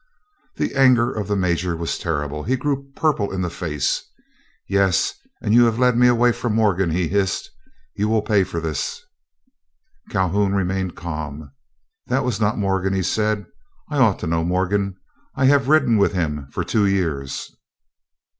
The anger of the major was terrible. He grew purple in the face. "Yes, and you have led me away from Morgan," he hissed. "You will pay for this." Calhoun still remained calm. "That was not Morgan," he said; "I ought to know Morgan, I have ridden with him for two years."